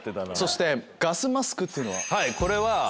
そして「ガスマスク」っていうのは？